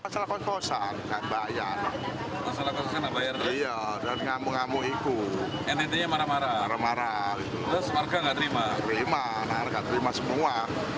sepedanya dimasukin ke sungai semua